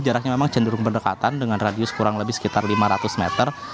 jaraknya memang cenderung berdekatan dengan radius kurang lebih sekitar lima ratus meter